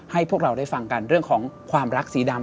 ให้พวกเราได้ฟังกันเรื่องของความรักสีดำ